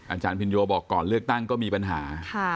อาจารย์พินโยบอกก่อนเลือกตั้งก็มีปัญหา